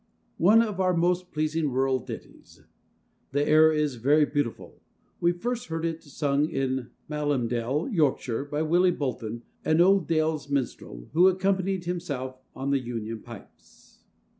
[ONE of our most pleasing rural ditties. The air is very beautiful. We first heard it sung in Malhamdale, Yorkshire, by Willy Bolton, an old Dales' minstrel, who accompanied himself on the union pipes.